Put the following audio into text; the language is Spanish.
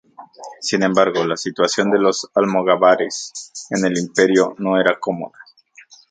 Sin embargo, la situación de los almogávares en el Imperio no era cómoda.